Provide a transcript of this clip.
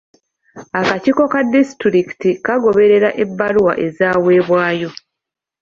Akakiiko ka disitulikiti kagoberera ebbaluwa ezaweebwayo.